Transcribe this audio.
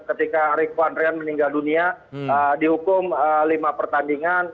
ketika rick van rian meninggal dunia dihukum lima pertandingan